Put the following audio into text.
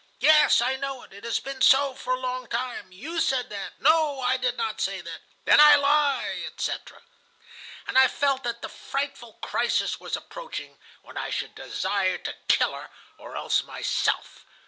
'Yes, I know it. It has been so for a long time.' ... 'You said that.' ... 'No, I did not say that.' ... 'Then I lie?' etc. "And I felt that the frightful crisis was approaching when I should desire to kill her or else myself.